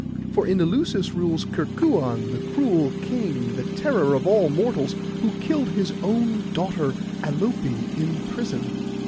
For in Eleusis rules Kerkuon the cruel king, the terror of all mortals, who killed his own daughter Alope in prison.